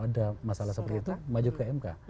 ada masalah seperti itu maju ke mk